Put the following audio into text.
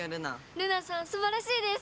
ルナさんすばらしいです！